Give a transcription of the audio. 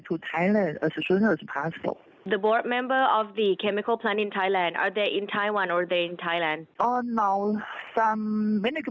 เจ้าผู้จักรของการไปทำอาหารเคมิกัลในไทยอยู่ในไทวันหรือไม่อยู่ในไทย